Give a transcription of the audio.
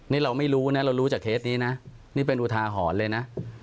นี่เราไม่รู้นะเรารู้จากเคสนี้นะนี่เป็นอุทาหรณ์เลยนะ